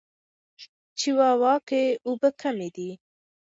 چیواوا کې اوبه کمې دي.